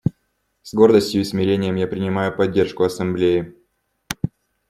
С гордостью и смирением я принимаю поддержку Ассамблеи.